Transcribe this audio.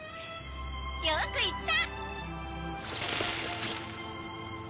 よくいった！